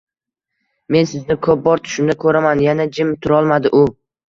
-Men sizni ko’p bor tushimda ko’raman, — Yana jim turolmadi u.